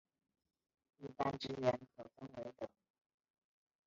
一般职员可分为等。